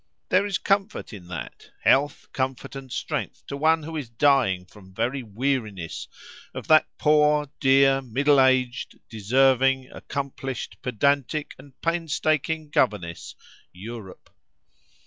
There is comfort in that—health, comfort, and strength to one who is dying from very weariness of that poor, dear, middle aged, deserving, accomplished, pedantic, and painstaking governess, Europe.